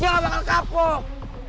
dia gak bakal kapok